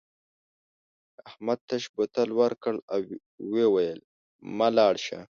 احمد تش بوتل ورکړ او وویل مه لاړ شه.